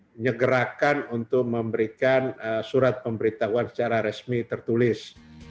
menyegerakan untuk memberikan surat pemberitahuan secara resmi tertulis